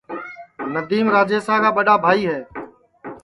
ندیم راجیشا کا ٻڈؔا بھائی ہے